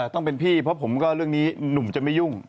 ต้องเป็นพี่เพราะผมก็เรื่องนี้หนุ่มจะไม่ยุ่ง